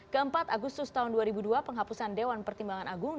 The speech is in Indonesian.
keempat agustus tahun dua ribu dua penghapusan dewan pertimbangan agung